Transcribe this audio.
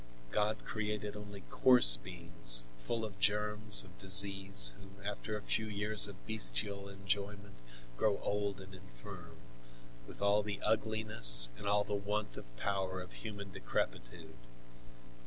God created only coarse beings, full of the germs of disease, who, after a few years of bestial enjoyment, grow old and infirm, with all the ugliness and all the want of power of human decrepitude.